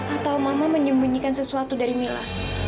atau mama menyembunyikan sesuatu dari mila